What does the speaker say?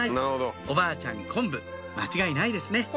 おばあちゃんコンブ間違いないですね